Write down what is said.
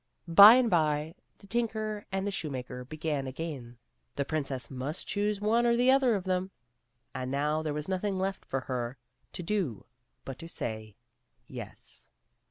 By and by the tinker and the shoemaker began again ; the princess must choose one or the other of them. And now there was nothing left for her to do but to say " Yes."